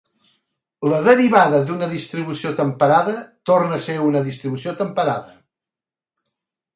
La derivada d'una distribució temperada torna a ser una distribució temperada.